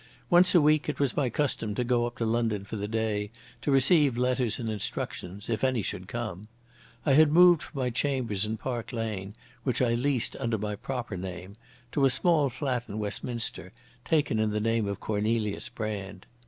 Once a week it was my custom to go up to London for the day to receive letters and instructions, if any should come. I had moved from my chambers in Park Lane, which I leased under my proper name, to a small flat in Westminster taken in the name of Cornelius Brand.